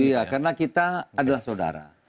iya karena kita adalah saudara